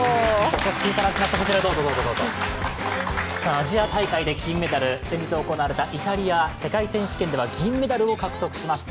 アジア大会で金メダル、先日行われたイタリア、世界選手権では銀メダルを獲得しました。